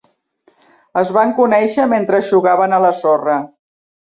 Es van conèixer mentre jugaven a la sorra.